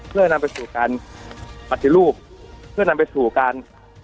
เพื่อนำไปสู่การปฏิรูปเพื่อนำไปสู่การ